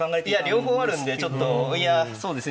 両方あるんでちょっといやそうですね